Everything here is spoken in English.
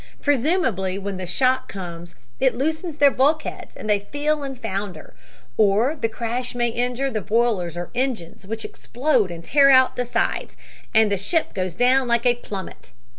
Presumably, when the shock comes, it loosens their bulkheads and they fill and founder, or the crash may injure the boilers or engines, which explode and tear out the sides, and the ship goes down like a plummet.